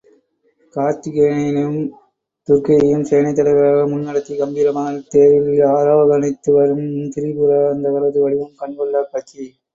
கார்த்திகேயனையும் துர்க்கையையும் சேனைத் தலைவர்களாக முன் நடத்தி, கம்பீரமாக தேரில் ஆரோகணித்து வரும் திரிபுராந்தகரது வடிவம் கண்கொள்ளாக் காட்சி.